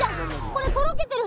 これとろけてる！